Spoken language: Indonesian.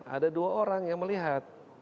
ada dua orang yang melihat